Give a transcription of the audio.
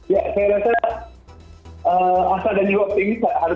ya saya rasa asal dan jawab tim ini harus ada